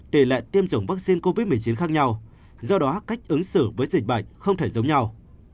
tỷ lệ tiêm chủng vaccine covid một mươi chín khác nhau do đó cách ứng xử với dịch bệnh không thể giống nhau